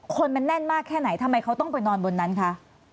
คนมันแน่นมากแค่ไหนทำไมเขาต้องไปนอนบนนั้นคะ